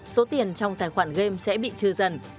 số tiền trong tài khoản game sẽ bị trừ dần